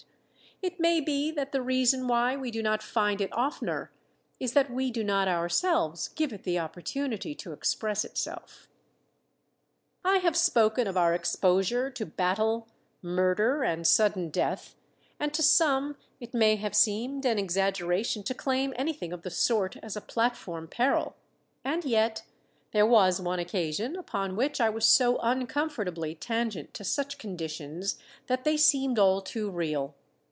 It may be that the reason why we do not find it oftener is that we do not ourselves give it the opportunity to express itself. I have spoken of our exposure to "battle, murder, and sudden death," and to some it may have seemed an exaggeration to claim anything of the sort as a platform peril; and yet there was one occasion upon which I was so uncomfortably tangent to such conditions that they seemed all too real.